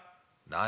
「何？